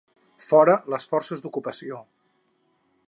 Fora les forces d'ocupació!